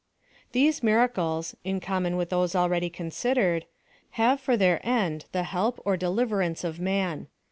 These miracles, in common with those already considered, have for their end the help or deliverance of man.